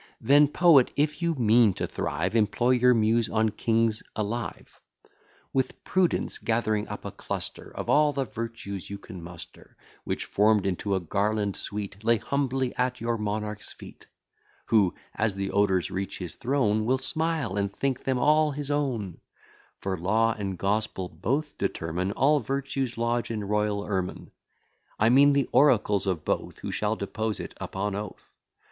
Then, poet, if you mean to thrive, Employ your muse on kings alive; With prudence gathering up a cluster Of all the virtues you can muster, Which, form'd into a garland sweet, Lay humbly at your monarch's feet: Who, as the odours reach his throne, Will smile, and think them all his own; For law and gospel both determine All virtues lodge in royal ermine: I mean the oracles of both, Who shall depose it upon oath.